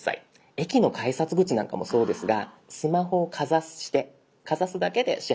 駅の改札口なんかもそうですがスマホをかざしてかざすだけで支払いが終了するタイプ。